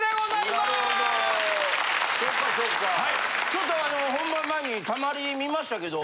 ちょっとあの本番前に溜まり見ましたけど。